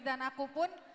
dan aku pun